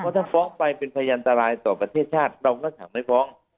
ถ้าฟ้องไปเป็นพยานตรายต่อประเทศชาติเราก็สั่งไม่ฟ้อง